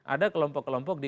ada kelompok kelompok di